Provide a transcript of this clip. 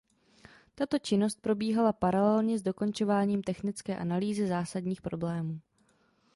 Tato činnost probíhá paralelně s dokončováním technické analýzy zásadních problémů.